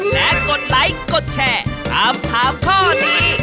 และกดไลค์กดแชร์ถามถามข้อนี้